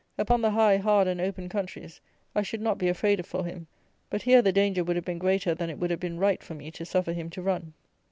Upon the high, hard and open countries, I should not be afraid for him; but here the danger would have been greater than it would have been right for me to suffer him to run.